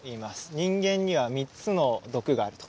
人間には三つの毒があると。